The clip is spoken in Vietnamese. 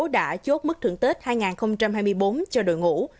đã chốt mức thưởng tết hai nghìn hai mươi bốn cho đội ngũ